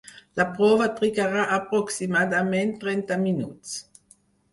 La prova trigarà aproximadament trenta minuts.